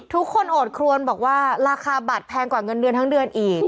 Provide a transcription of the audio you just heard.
โอดครวนบอกว่าราคาบัตรแพงกว่าเงินเดือนทั้งเดือนอีก